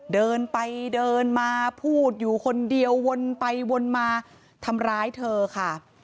เดินไปเดินมาพูดอยู่คนเดียววนไปวนมาทำร้ายเธอค่ะ